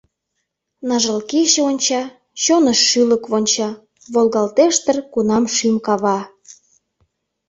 Ныжыл кече онча, Чоныш шӱлык вонча, Волгалтеш дыр кунам шӱм кава?